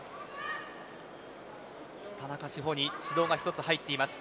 田中志歩に指導が１つ入っています。